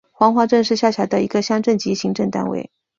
黄花镇是下辖的一个乡镇级行政单位。